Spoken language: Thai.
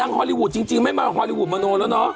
ฮอลลีวูดจริงไม่มาฮอลลีวูดมาโนแล้วเนอะ